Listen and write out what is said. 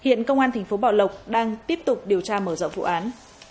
hiện công an tp bảo lộc đang tiếp tục điều tra mở rộng vụ án